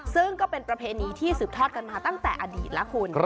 ซึ่งก็เป็นประเพณีที่สืบทอดกันมาตั้งแต่อดีตแล้วคุณ